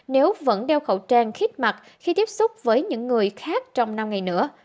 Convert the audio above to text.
nếu vẫn đeo khẩu trang khiết mặt khi tiếp xúc với những người khác trong năm ngày nữa